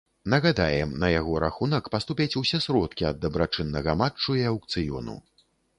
Нагадаем, на яго рахунак паступяць усе сродкі ад дабрачыннага матчу і аўкцыёну.